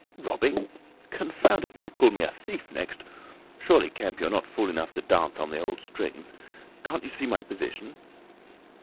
"Robbing! Confound it! You'll call me a thief next! Surely, Kemp, you're not fool enough to dance on the old strings. Can't you see my position?"